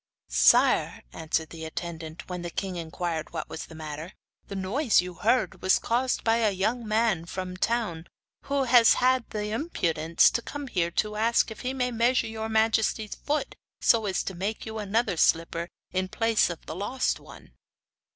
'Sire,' answered the attendant, when the king inquired what was the matter, 'the noise you heard was caused by a young man from the town, who has had the impudence to come here to ask if he may measure your majesty's foot, so as to make you another slipper in place of the lost one.